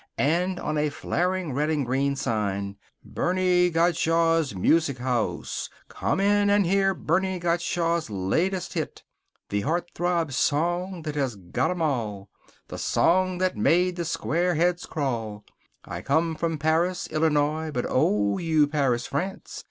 And on a flaring red and green sign: BERNIE GOTTSCHALK'S MUSIC HOUSE! COME IN! HEAR BERNIE GOTTSCHALK'S LATEST HIT! THE HEART THROB SONG THAT HAS GOT 'EM ALL! THE SONG THAT MADE THE SQUAREHEADS CRAWL! "I COME FROM PARIS, ILLINOIS, BUT OH! YOU PARIS, FRANCE!